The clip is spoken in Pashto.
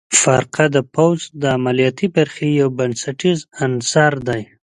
فرقه د پوځ د عملیاتي برخې یو بنسټیز عنصر دی.